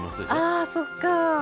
あそっか。